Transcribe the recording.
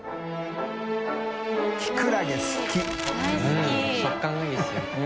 うん食感がいいですよ。